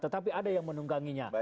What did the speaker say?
tetapi ada yang menungganginya